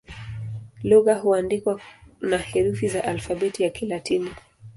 Lugha huandikwa na herufi za Alfabeti ya Kilatini.